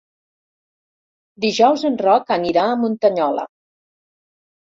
Dijous en Roc anirà a Muntanyola.